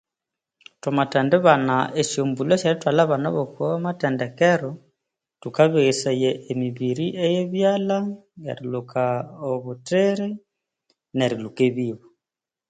Thwamathendibana esyombulhu esyerithwalha abana okumathendekero thukabeghesaya emibiri yebyalha erilhuka obuthiri nerilhuka ebibo